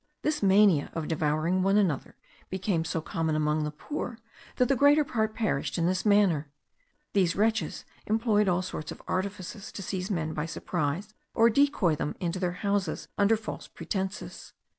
This mania of devouring one another became so common among the poor, that the greater part perished in this manner. These wretches employed all sorts of artifices, to seize men by surprise, or decoy them into their houses under false pretences.